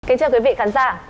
kính chào quý vị khán giả